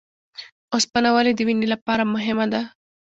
اوسپنه ولې د وینې لپاره مهمه ده؟